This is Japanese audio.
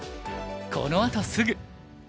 このあとすぐ！